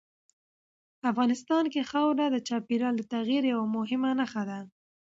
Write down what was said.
افغانستان کې خاوره د چاپېریال د تغیر یوه مهمه نښه ده.